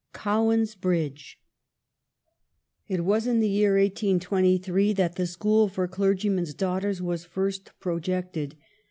COWANS BRIDGE. "It was in the year 1823 that the school for clergymen's daughters was first projected.